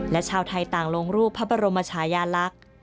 และชาวไทยต่างลงรูปพระบรมชายาลักษณ์